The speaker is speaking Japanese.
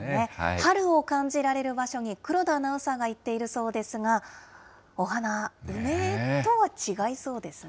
春を感じられる場所に黒田アナウンサーが行っているそうですが、お花、梅とは違いそうですね。